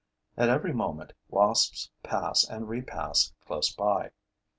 At every moment, wasps pass and repass close by.